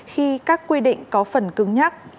khi các quy định có phần cưng nhắc